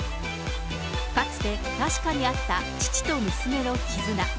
かつて、確かにあった父と娘の絆。